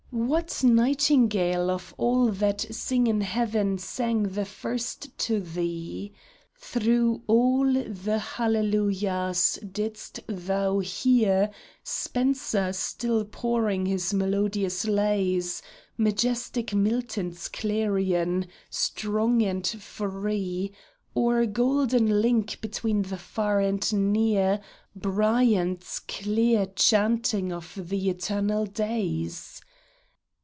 What nightingale Of all that sing in heaven sang first to thee ? Through all the hallelujahs didst thou hear Spencer still pouring his melodious lays, Majestic Milton's clarion, strong and free. Or, golden link between the far and near, Bryant's clear chanting of the eternal days